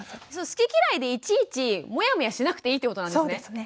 好き嫌いでいちいちモヤモヤしなくていいってことなんですね。